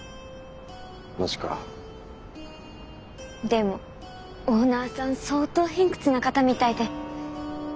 でもオーナーさん相当偏屈な方みたいで。